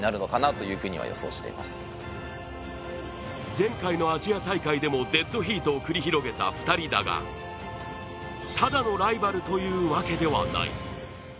前回のアジア大会でもデッドヒートを繰り広げた２人だがただのライバルというわけではない。